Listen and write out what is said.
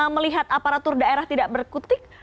melihat aparatur daerah tidak berkutik